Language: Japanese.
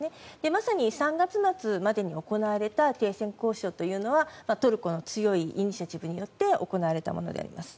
まさに３月末までに行われた停戦交渉というのは、トルコの強いイニシアチブによって行われたものであります。